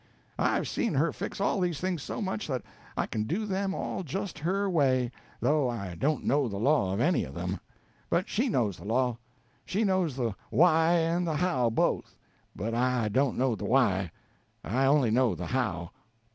I've seen her fix all these things so much that I can do them all just her way, though I don't know the law of any of them. But she knows the law. She knows the why and the how both; but I don't know the why; I only know the how."